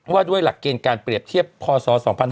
ว่าด้วยหลักเกณฑ์การเปรียบเทียบพศ๒๕๕๙